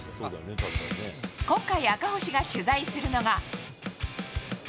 今回、赤星が取材するのが。